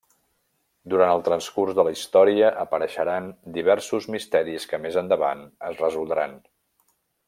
Durant el transcurs de la història apareixeran diversos misteris que més endavant es resoldran.